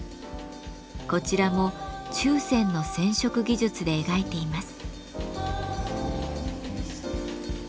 こちらも注染の染色技術で描いています。